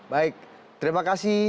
baik terima kasih